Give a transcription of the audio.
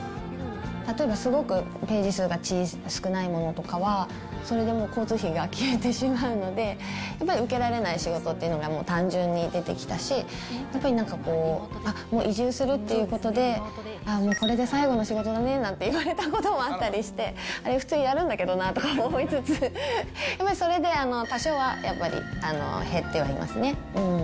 例えばすごくページ数が少ないものとかは、それでもう、交通費が消えてしまうので、やっぱり受けられない仕事っていうのが単純に出てきたし、特になんかこう、もう移住するっていうことで、ああもうこれで最後の仕事だね、なんて言われたこともあったりして、あれ、普通にやるんだけどなと思いつつ、やっぱりそれで多少は、やっぱり減ってはいますね。